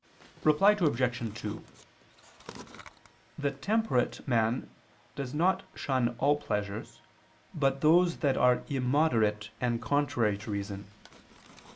Reply Obj. 2: The temperate man does not shun all pleasures, but those that are immoderate, and contrary to reason.